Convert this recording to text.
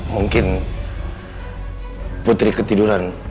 mungkin putri ketiduran